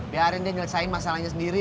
biarin dia ngelesain masalahnya sendiri